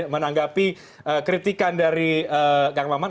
menanggapi kritikan dari kang maman